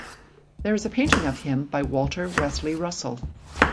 There is a painting of him by Walter Westley Russell.